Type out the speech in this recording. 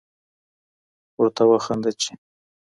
ورته وخانده چي